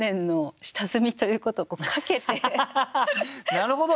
なるほど！